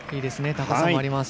高さもあります。